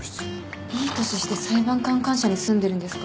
いい年して裁判官官舎に住んでるんですか。